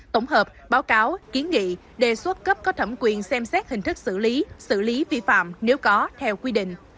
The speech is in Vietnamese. tổng hợp báo cáo kiến nghị đề xuất cấp có thẩm quyền xem xét hình thức xử lý xử lý vi phạm nếu có theo quy định